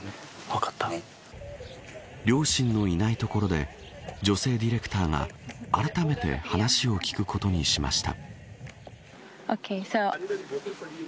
両親のいない所で女性ディレクターがあらためて話を聞くことにしました。